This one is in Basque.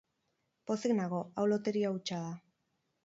Pozik nago, hau loteria hutsa da.